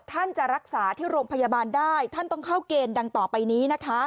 ท่านจะรักษาที่โรงพยาบาลได้ท่านต้องเข้าเกณฑ์ดังต่อไปนี้นะคะ